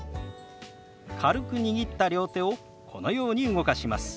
軽く握った両手をこのように動かします。